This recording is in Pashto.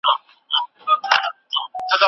جګړه به سبا نوي ستونزي راولاړې کړي.